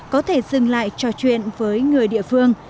có thể dừng lại trò chuyện với người địa phương